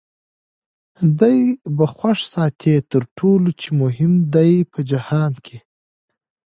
دی به خوښ ساتې تر ټولو چي مهم دی په جهان کي